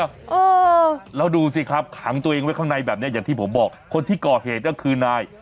เออแล้วดูสิครับขังตัวเองไว้ข้างในแบบเนี้ยอย่างที่ผมบอกคนที่ก่อเหตุก็คือนาย